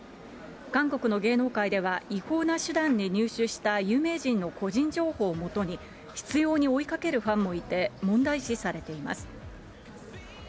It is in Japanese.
韓国の芸能界では違法な手段で入手した有名人の個人情報をもとに、執ように追いかけるファンもいて、問題視されています。